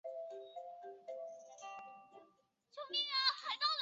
河名衍生出当地镇名琅南塔及省名琅南塔省。